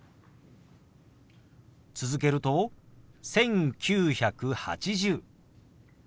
続けると「１９８０」。